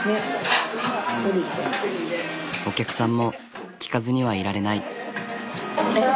お客さんも聞かずにはいられない。